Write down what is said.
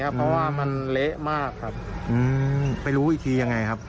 เพราะว่ามันเละมากครับไปรู้อีกทียังไงครับ